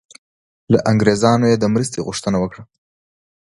له انګریزانو یې د مرستې غوښتنه وکړه.